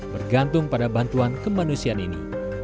bergantung pada bantuan kemanusiaan ini